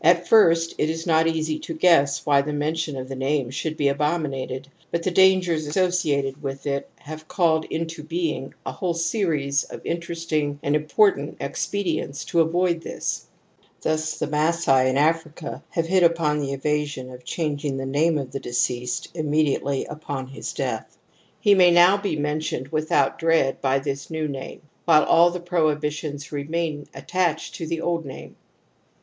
At first it is not easy to guess why the mention of the name »» Frazer, Ic, p. 353. *^ Frazer, lc„ p. 352, etc.' 94. TOTEM AND TABOO should be so abominated, but the dangers associ ated with it have called into being a whole series of interesting and important expedients to avoid this. Thus th^ Masai in Africa have hit upon the evasion of changing the name of the deceased inmiediately upon his death ; he may now be mentioned without dread by this new name, while all the prohibitions remain attached to the old name.